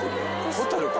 ホタルか。